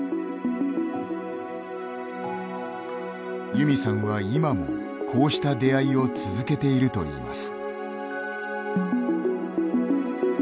ユミさんは、今もこうした出会いを続けているといいます。